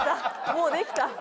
もうできた。